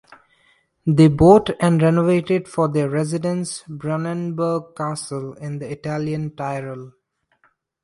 They bought and renovated for their residence Brunnenburg Castle in the Italian Tyrol.